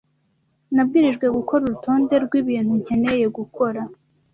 Nabwirijwe gukora urutonde rwibintu nkeneye gukora.